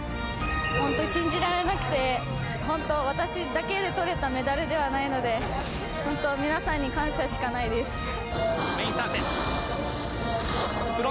本当に信じられなくて、私だけで取れたメダルではないので皆さんに感謝しかないです。